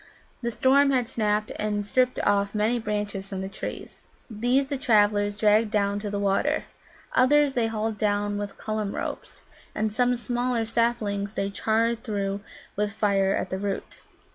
The storm had snapped and stripped off many branches from the trees. These the travellers dragged down to the water. Others they hauled down with Cullum ropes, and some smaller saplings they charred through with fire at the root.